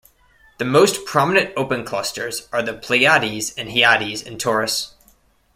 The most prominent open clusters are the Pleiades and Hyades in Taurus.